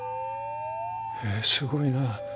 へえすごいな。